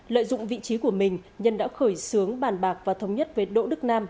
lợi dụng vị trí của mình nhân đã khởi xướng bàn bạc và thống nhất với đỗ đức nam